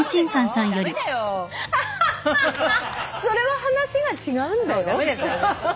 それは話が違うんだよ。